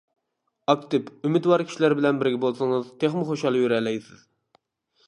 ئاكتىپ، ئۈمىدۋار كىشىلەر بىلەن بىرگە بولسىڭىز، تېخىمۇ خۇشال يۈرەلەيسىز.